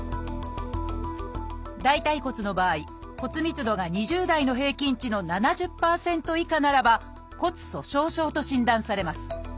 大腿骨の場合骨密度が２０代の平均値の７０％以下ならば「骨粗しょう症」と診断されます。